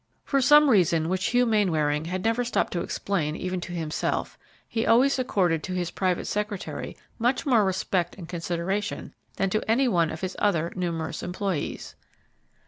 For some reason, which Hugh Mainwaring had never stopped to explain even to himself, he always accorded to his private secretary much more respect and consideration than to any one of his other numerous employees.